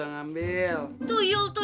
jangan lupa bu